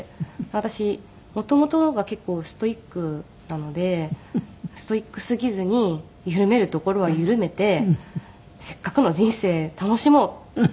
私元々が結構ストイックなのでストイックすぎずに緩めるところは緩めてせっかくの人生楽しもうって。